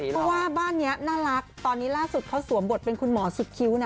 เพราะว่าบ้านนี้น่ารักตอนนี้ล่าสุดเขาสวมบทเป็นคุณหมอสุดคิ้วนะ